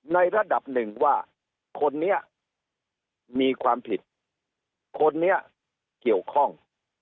ในระดับหนึ่งว่าคนนี้มีความผิดคนนี้เกี่ยวข้อง